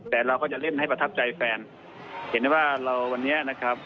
แต่เราก็จะเล่นให้ประทับใจแฟนเห็นได้ว่าเราวันนี้นะครับ